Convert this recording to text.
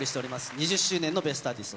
２０周年の『ベストアーティスト』。